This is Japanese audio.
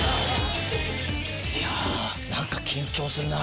いや何か緊張するな。